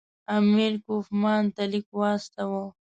امیر کوفمان ته لیک واستاوه.